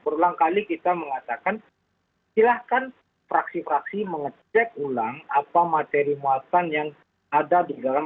berulang kali kita mengatakan silahkan fraksi fraksi mengecek ulang apa materi muatan yang ada di dalam